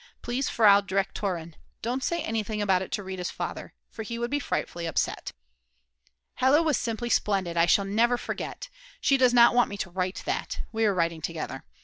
Please, Frau Direktorin, don't say anything about it to Rita's father, for he would be frightfully upset." Hella was simply splendid, I shall never forget. She does not want me to write that; we are writing together.